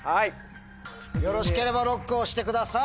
よろしければＬＯＣＫを押してください。